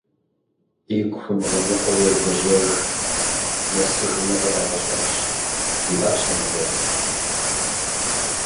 Игу фымыгъэныкъуэу евгъэжьэж, нэсыжмэ, къырагъэщӏэнщ, - жиӏащ и анэ дэлъхум.